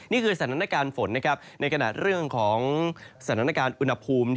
นี่คือสถานการณ์ฝนนะครับในขณะเรื่องของสถานการณ์อุณหภูมิ